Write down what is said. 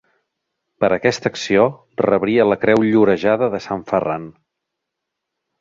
Per aquesta acció rebria la Creu Llorejada de Sant Ferran.